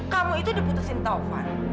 kamu itu diputusin taufan